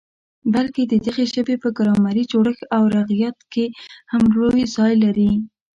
بلکي د دغي ژبي په ګرامري جوړښت او رغښت کي هم لوی ځای لري.